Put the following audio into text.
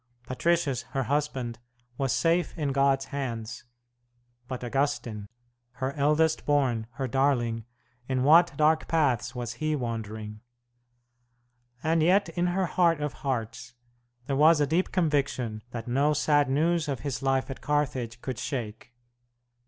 Patricius, her husband, was safe in God's hands; but Augustine, her eldest born, her darling, in what dark paths was he wandering? And yet in her heart of hearts there was a deep conviction that no sad news of his life at Carthage could shake.